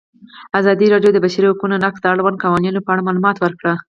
ازادي راډیو د د بشري حقونو نقض د اړونده قوانینو په اړه معلومات ورکړي.